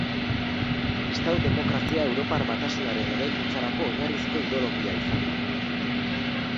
Kristau-demokrazia Europar Batasunaren eraikuntzarako oinarrizko ideologia izan da.